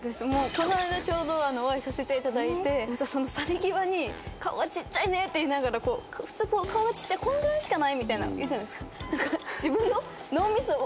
この間ちょうどお会いさせていただいてその去り際に「顔がちっちゃいね」って言いながら普通「顔がちっちゃいこんぐらいしかない」みたいな。何か。